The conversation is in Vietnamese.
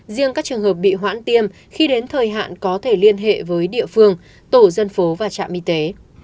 riêng các trường hợp bị hoãn tiêm khi đến thời hạn có thể liên hệ với địa phương tổ dân phố và trạm y tế